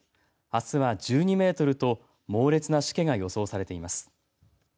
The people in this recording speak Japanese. あすは１２メートルと猛烈なしけが予想されています。